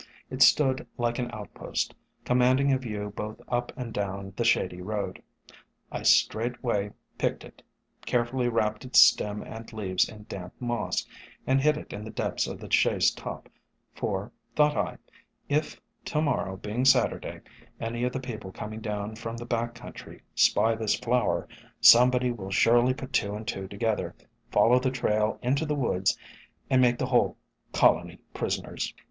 It stood like an outpost, com manding a view both up and down the shady road. I straightway picked it, carefully wrapped its stem and leaves in damp moss, and hid it in the depths of the chaise top; for, thought I, if, to morrow being Saturday, any of the people coming down from the back country spy this flower, somebody will surely put two and two together, follow the trail into the woods , and make the whole colony prisoners.